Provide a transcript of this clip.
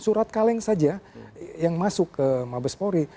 surat kaleng saja yang masuk ke mabes polri